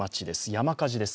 山火事です。